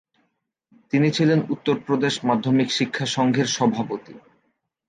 তিনি ছিলেন উত্তর প্রদেশ মাধ্যমিক শিক্ষা সংঘের সভাপতি।